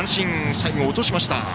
最後落としました。